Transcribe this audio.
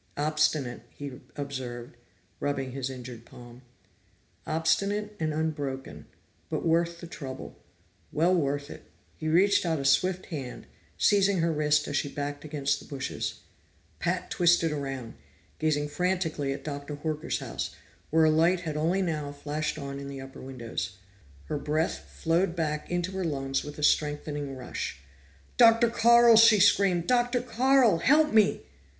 "Obstinate," he observed, rubbing his injured palm. "Obstinate and unbroken but worth the trouble. Well worth it!" He reached out a swift hand, seizing her wrist as she backed against the bushes. Pat twisted around, gazing frantically at Doctor Horker's house, where a light had only now flashed on in the upper windows. Her breath flowed back into her lungs with a strengthening rush. "Dr. Carl!" she screamed. "Dr. Carl! Help me!"